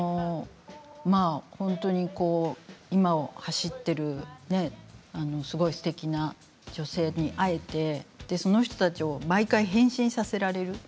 本当に今を走っているすごいすてきな女性に会えてその人たちを毎回変身させられる。